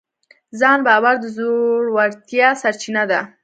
ځان باور د زړورتیا سرچینه ده.